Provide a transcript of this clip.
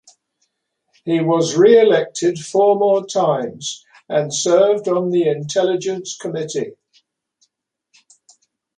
He was re-elected four more times and served on the Intelligence Committee.